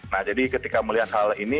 nah jadi ketika melihat hal ini